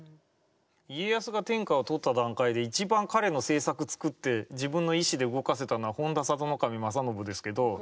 家康が天下を取った段階で一番彼の政策つくって自分の意志で動かせたのは本多佐渡守正信ですけど。